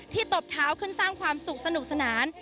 ตบเท้าขึ้นสร้างความสุขสนุกสนาน